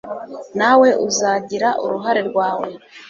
nawe uzagira uruhare rwawe